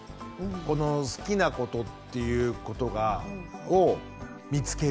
この好きなことっていうことを見つける。